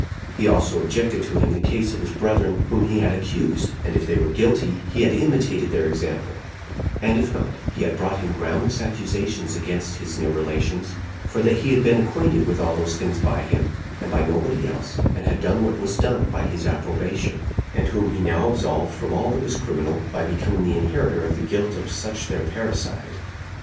He also objected to him the case of his brethren whom he had accused; and if they were guilty, he had imitated their example; and if not, he had brought him groundless accusations against his near relations; for that he had been acquainted with all those things by him, and by nobody else, and had done what was done by his approbation, and whom he now absolved from all that was criminal, by becoming the inheritor of the guilt of such their parricide.